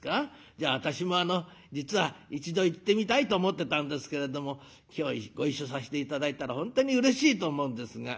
じゃあ私もあの実は一度行ってみたいと思ってたんですけれども今日ご一緒させて頂いたら本当にうれしいと思うんですが」。